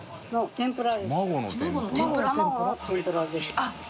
天ぷら？